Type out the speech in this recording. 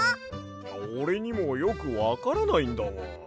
おれにもよくわからないんだわ。